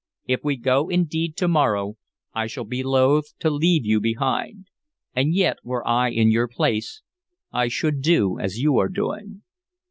If we go indeed to morrow, I shall be loath to leave you behind; and yet, were I in your place, I should do as you are doing."